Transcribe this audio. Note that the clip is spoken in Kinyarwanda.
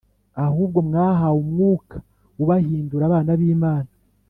ahubwo mwahawe Umwuka ubahindura abana b'Imana,